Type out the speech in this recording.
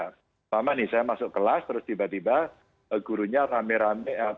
pertama nih saya masuk kelas terus tiba tiba gurunya rame rame